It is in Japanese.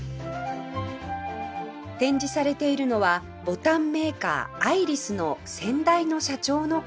展示されているのはボタンメーカーアイリスの先代の社長のコレクション